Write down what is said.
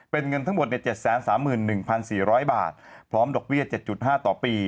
เป็นเงินทั้งหมดใน๗๓๑๔๐๐บาทพร้อมดอกเบี้ย๗๕ต่อปี